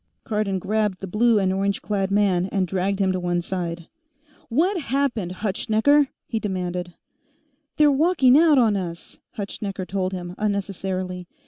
Cardon grabbed the blue and orange clad man and dragged him to one side. "What happened, Hutschnecker?" he demanded. "They're walking out on us," Hutschnecker told him, unnecessarily.